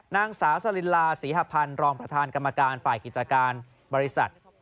นางสาวสลินลาศรีหพันธ์รองประธานกรรมการฝ่ายกิจการบริษัท